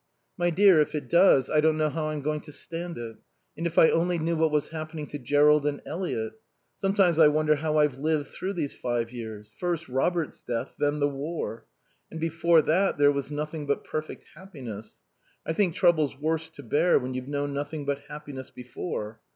"My dear, if it does, I don't know how I'm going to stand it. And if I only knew what was happening to Jerrold and Eliot. Sometimes I wonder how I've lived through these five years. First, Robert's death; then the War. And before that there was nothing but perfect happiness. I think trouble's worse to bear when you've known nothing but happiness before....